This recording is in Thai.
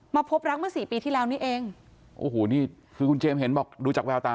มาพบรักมา๔ปีที่แล้วนี่เองคือคุณเจมส์เห็นบอกดูจากแววตา